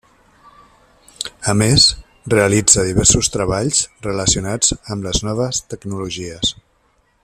A més, realitza diversos treballs relacionats amb les noves tecnologies.